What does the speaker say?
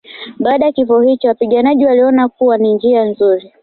Baada ya kifo hicho wapiganaji waliona kuwa ni njia nzuri